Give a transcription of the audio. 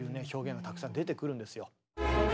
表現がたくさん出てくるんですよ。